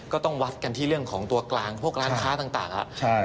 ก็ต้องวัดกันที่เรื่องของตัวกลางพวกร้านค้าต่างครับ